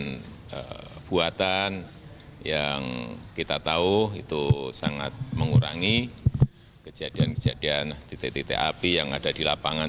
dan pembuatan yang kita tahu itu sangat mengurangi kejadian kejadian titik titik api yang ada di lapangan